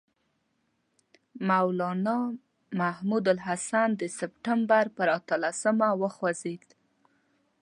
مولنا محمود الحسن د سپټمبر پر اتلسمه وخوځېد.